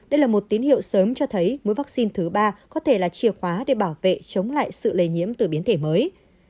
đây là một tín hiệu sớm cho thấy mũi vaccine thứ ba có thể là chìa khóa để bảo vệ chống lại sự lây nhiễm từ biến thể mới